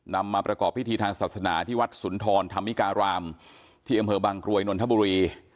มาประกอบพิธีทางศาสนาที่วัดสุนทรธรรมิการามที่อำเภอบางกรวยนนทบุรี